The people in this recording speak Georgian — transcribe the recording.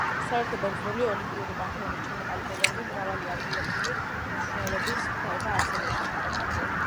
საერთო ბერძნული ოლიმპიური პანთეონის ჩამოყალიბებამდე მრავალი ადგილობრივი მნიშვნელობის ღვთაება არსებობდა.